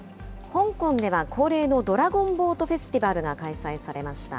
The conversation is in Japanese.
香港では、恒例のドラゴンボートフェスティバルが開催されました。